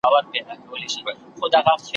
تر پخوا به يې په لوړ اواز خوركى سو ,